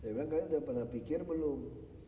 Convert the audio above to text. saya bilang kalian sudah pernah pikir belum